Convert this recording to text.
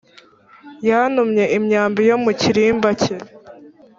Yatumye imyambi yo mu kirimba cye